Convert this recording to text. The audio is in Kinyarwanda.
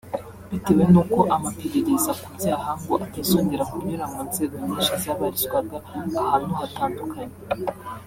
bitewe n’uko amaperereza ku byaha ngo atazongera kunyura mu nzego nyinshi zabarizwaga ahantu hatandukanye